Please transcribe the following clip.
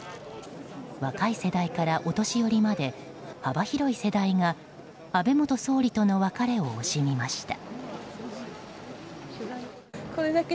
若い世代からお年寄りまで幅広い世代が安倍元総理との別れを惜しみました。